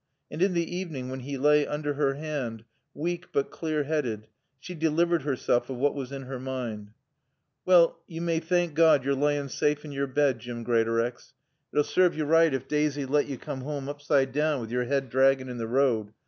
And in the evening when he lay under her hand, weak, but clear headed, she delivered herself of what was in her mind. "Wall yo may thank Gawd yo're laayin' saafe in yore bed, Jim Greatorex. It'd sarve yo right ef Daaisy 'd lat yo coom hoam oopside down wi yore 'ead draggin' in t' road.